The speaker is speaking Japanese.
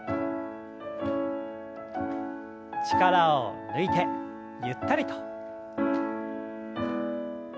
力を抜いてゆったりと。